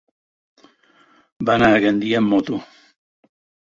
Va anar a Gandia amb moto.